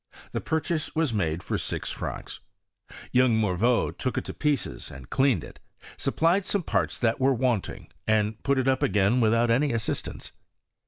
The purchase was mside for six francs. Youn^ Mor ▼eau took it to pieces and cleaned it, supplied some parts that were wanting, and put it up again with out any assistajQce.